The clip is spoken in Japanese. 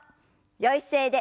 よい姿勢で。